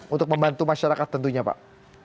untuk membantu masyarakat tentunya pak